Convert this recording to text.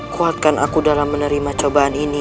kuatkan aku dalam menerima cobaan ini